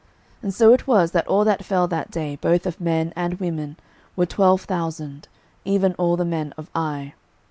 06:008:025 And so it was, that all that fell that day, both of men and women, were twelve thousand, even all the men of Ai.